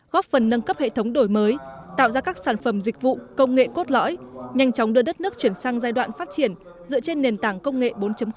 góp phần nâng cấp hệ thống đổi mới tạo ra các sản phẩm dịch vụ công nghệ cốt lõi nhanh chóng đưa đất nước chuyển sang giai đoạn phát triển dựa trên nền tảng công nghệ bốn